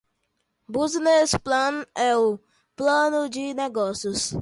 Business Plan é o plano de negócios.